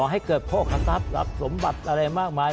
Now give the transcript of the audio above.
ไม่ให้เกิดโภคศัพท์หลักสมบัติอะไรมากมาย